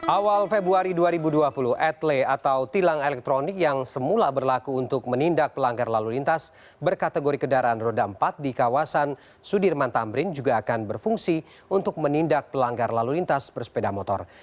awal februari dua ribu dua puluh etle atau tilang elektronik yang semula berlaku untuk menindak pelanggar lalu lintas berkategori kendaraan roda empat di kawasan sudirman tamrin juga akan berfungsi untuk menindak pelanggar lalu lintas bersepeda motor